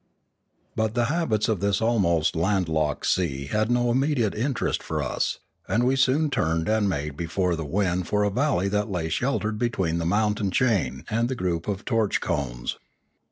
But the habits of this almost land locked sea had no immediate interest for us, and we soon turned and made before the wind for a valley that lay sheltered between the mountain chain and the group of torch cones.